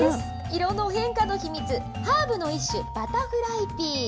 色の変化の秘密、ハーブの一種、バタフライピー。